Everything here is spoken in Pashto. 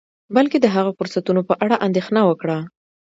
بلکې د هغه فرصتونو په اړه اندیښنه وکړه